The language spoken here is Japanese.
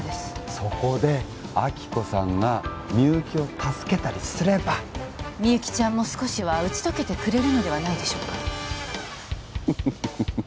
そこで亜希子さんがみゆきを助けたりすればみゆきちゃんも少しは打ち解けてくれるのではないでしょうかふふふふ